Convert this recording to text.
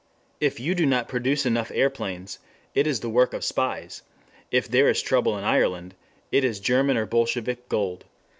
If you do not produce enough aeroplanes, it is the work of spies; if there is trouble in Ireland, it is German or Bolshevik "gold."